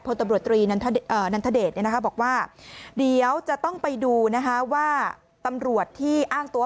ตำรวจตรีนันทเดชบอกว่าเดี๋ยวจะต้องไปดูนะคะว่าตำรวจที่อ้างตัว